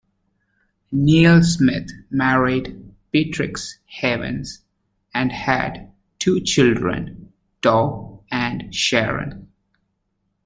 Neal Smith married Beatrix Havens and had two children, Doug and Sharon.